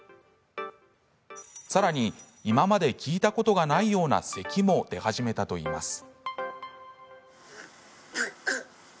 さらに今まで聞いたことがないようなせきも出始めたといいます。